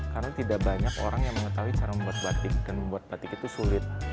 karena tidak banyak orang yang mengetahui cara membuat batik dan membuat batik itu sulit